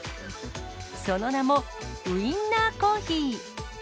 その名もウインナーコーヒー。